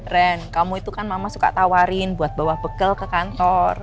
ren kamu itu kan mama suka tawarin buat bawa bekal ke kantor